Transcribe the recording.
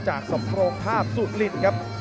จากสำโครงภาพสูตรลินครับ